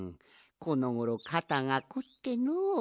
このごろかたがこってのう。